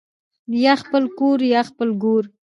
ـ يا خپل کور يا خپل ګور.